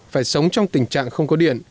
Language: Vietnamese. phải sống trong tình trạng không có điện